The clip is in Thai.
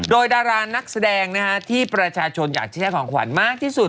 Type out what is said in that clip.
โดยดารานักแสดงที่ประชาชนอยากจะได้ของขวัญมากที่สุด